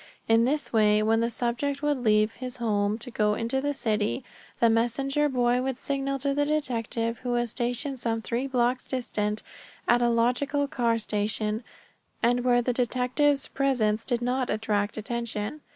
In this way when the subject would leave his home to go into the city, the messenger boy would signal to the detective who was stationed some three blocks distant at a logical car station, and where the detective's presence did not attract attention.